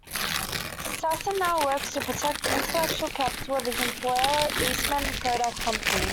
Sasson now works to protect the intellectual capital of his employer, Eastman Kodak Company.